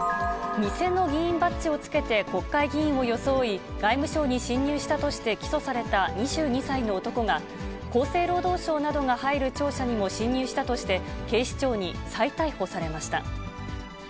偽の議員バッジをつけて国会議員を装い、外務省に侵入したとして起訴された２２歳の男が、厚生労働省などが入る庁舎にも侵入したとして、警視庁に再逮捕されました。